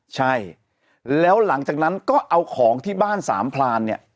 ใช่แล้วหลังจากนั้นก็เอาของที่บ้านสามพลานเนี่ย